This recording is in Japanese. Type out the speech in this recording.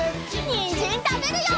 にんじんたべるよ！